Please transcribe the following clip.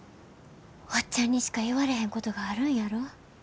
おっちゃんにしか言われへんことがあるんやろ？